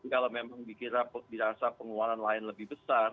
kalau memang dikira dirasa pengeluaran lain lebih besar